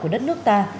của đất nước ta